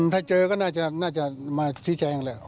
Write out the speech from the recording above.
ถ้าเจอก็น่าจะมาชี้แจงแหละ